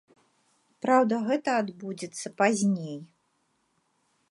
Праўда, гэта адбудзецца пазней.